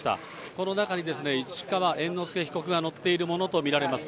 この中にですね、市川猿之助被告が乗っているものと見られます。